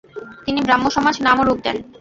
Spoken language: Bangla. তিনি ব্রাহ্মসমাজ নাম ও রূপ দেন।